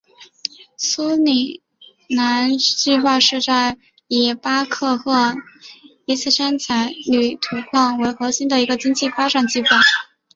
苏里南西部计划就是以在巴克赫伊斯山开采铝土矿为核心的一个经济发展计划。